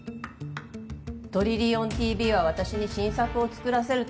「トリリオンＴＶは私に新作を作らせるために」